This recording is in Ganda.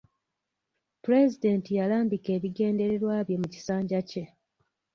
Pulezidenti yalambika ebigendererwa bye mu kisanja kye.